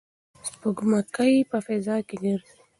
سپوږمکۍ په فضا کې ګرځي.